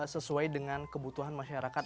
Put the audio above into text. sesuai dengan kebutuhan masyarakat